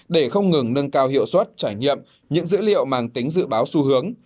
để không ngừng nâng cao hiệu suất trải nghiệm những dữ liệu mang tính dự báo xu hướng